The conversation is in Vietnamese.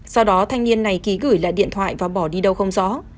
sau đó thanh niên này ký gửi lại điện thoại và bỏ đi đâu không rõ